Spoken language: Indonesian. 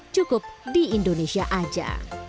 cukup di indonesia saja